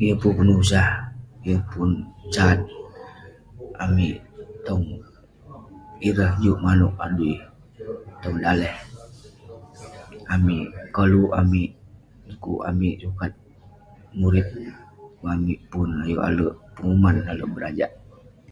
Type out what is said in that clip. Yeng pun penusah, yeng pun sat amik tong- ireh juk manouk adui tong daleh amik. Koluk amik dekuk amik sukat murip, dekuk amik pun ayuk ale penguman, ale berajak.